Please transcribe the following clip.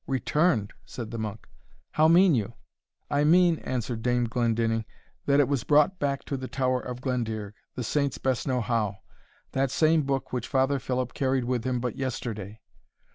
"Returned!" said the monk; "how mean you?" "I mean," answered Dame Glendinning, "that it was brought back to the tower of Glendearg, the saints best know how that same book which Father Philip carried with him but yesterday.